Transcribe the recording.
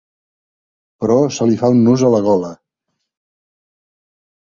Però se li fa un nus a la gola.